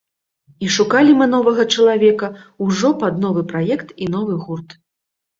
І шукалі мы новага чалавека ўжо пад новы праект і новы гурт.